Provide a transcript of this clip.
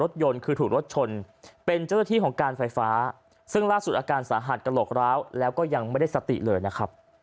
ซึ่งล่าสุดอาการสาหัสกระโหลกร้าวแล้วก็ยังไม่ได้สติเลยนะครับ